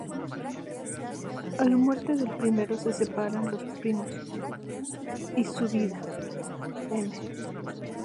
A la muerte del primero se separan los primos, y su viuda, Mª.